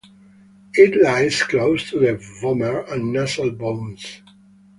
It lies close to the vomer and nasal bones.